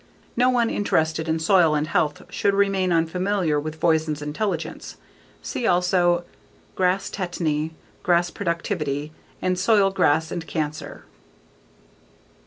No one interested in soil and health should remain unfamiliar with Voisin's intelligence. See also: Grass Tetany, Grass Productivity, and _Soil, Grass and Cancer.